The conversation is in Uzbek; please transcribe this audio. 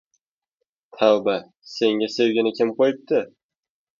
Tavba, senga sevgini kim qo‘yibdi?